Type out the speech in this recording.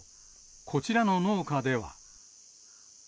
こちらの農家では。